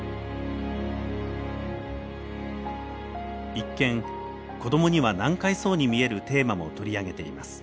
一見子どもには難解そうに見えるテーマも取り上げています。